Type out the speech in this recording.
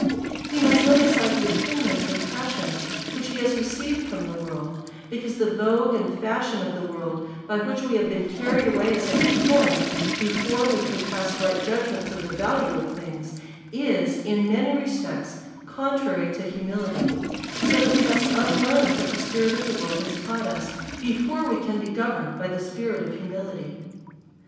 He must lay aside the opinions and passions which he has received from the world, because the vogue and fashion of the world, by which we have been car ried away, as in a torrent, before we could pass right judgments of the value of things, is in many respects contrary to humility ; so that we must unlearn what the spirit of the world has taught us, before we can be governed by the spirit of humility.